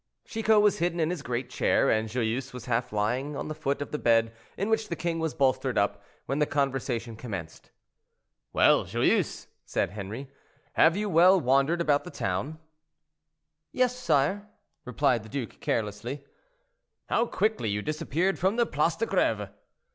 Chicot was hidden in his great chair, and Joyeuse was half lying on the foot of the bed in which the king was bolstered up, when the conversation commenced. "Well, Joyeuse," said Henri, "have you well wandered about the town?" "Yes, sire," replied the duke, carelessly. "How quickly you disappeared from the Place de Greve."